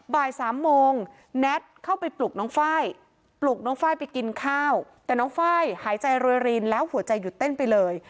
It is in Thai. บ่ายสามโมงแน็ตเข้าไปปลุกน้องไฟล์ปลุกน้องไฟล์ไปกินข้าวแต่น้องไฟล์หายใจรวยรินแล้วหัวใจหยุดเต้นไปเลย